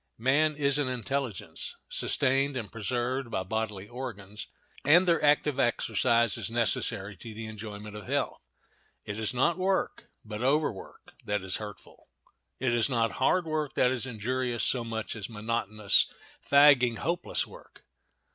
Man is an intelligence, sustained and preserved by bodily organs, and their active exercise is necessary to the enjoyment of health. It is not work, but overwork, that is hurtful; it is not hard work that is injurious so much as monotonous, fagging, hopeless work.